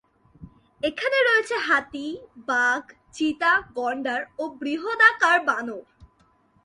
এখানে রয়েছে হাতি, বাঘ, চিতা, গণ্ডার ও বৃহদাকার বানর।